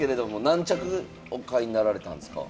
何着お買いになられたんですか？